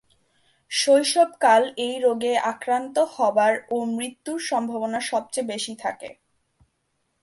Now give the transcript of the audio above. শৈশবকাল এই রোগে আক্রান্ত হবার ও মৃত্যুর সম্ভাবনা সবচেয়ে বেশি।